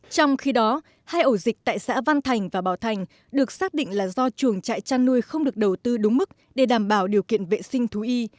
trong khi đó hai ổ dịch tại xã văn thành và bảo thành được xác định là do chuồng trại chăn nuôi không được đầu tư đúng mức để đảm bảo điều kiện vệ sinh thú y